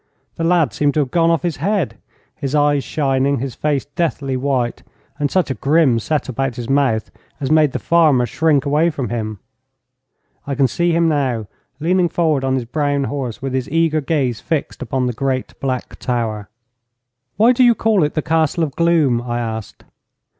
The lad seemed to have gone off his head his eyes shining, his face deathly white, and such a grim set about his mouth as made the farmer shrink away from him. I can see him now, leaning forward on his brown horse, with his eager gaze fixed upon the great black tower. 'Why do you call it the Castle of Gloom?' I asked.